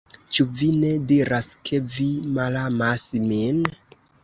Cu vi ne diras ke vi malamas min?